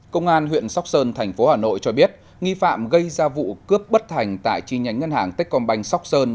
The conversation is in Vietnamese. công an huyện sóc sơn thành phố hà nội cho biết nghi phạm gây ra vụ cướp bất thành tại chi nhánh ngân hàng tết còn bành sóc sơn